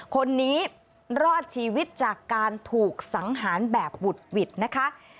คนนี้รอดชีวิตจากการถูกสังหารแบบบุดหวิดนะคะ